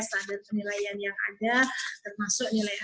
standar penilaian yang ada termasuk nilai